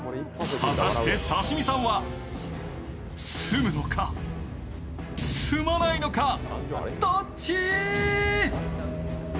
果たして刺身さんは住むのか、住まないのか。